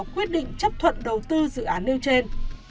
quyết định chấp thuận đầu tư dự án nêu trên